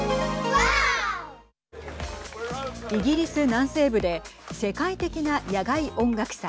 イギリス南西部で世界的な野外音楽祭。